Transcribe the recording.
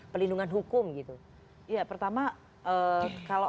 pelindungan hukum gitu ya pertama kalau